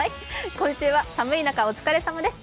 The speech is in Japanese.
今週は寒い中、お疲れさまです。